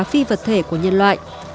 phi vật thể của nhân loại